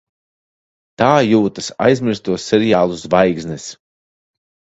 Tā jūtas aizmirsto seriālu zvaigznes.